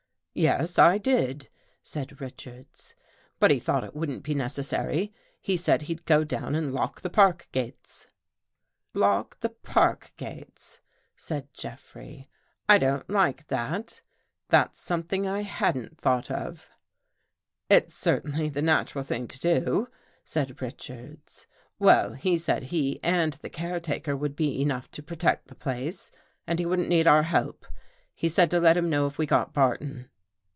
" Yes, I did," said Richards, " but he thought it wouldn't be necessary. He said he'd go down and lock the park gates." ''' Lock the park gates,' " said Jeffrey. " I don't like that. That's something I hadn't thought of." " It's certainly the natural thing to do," said Richards. " Well, he said he and the caretaker would be enough to protect the place and he wouldn't need our help. He said to let him know if we got Barton."